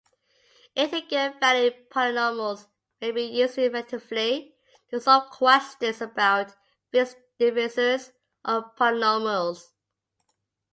Integer-valued polynomials may be used effectively to solve questions about fixed divisors of polynomials.